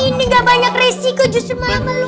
ini gak banyak resiko justru malah meluk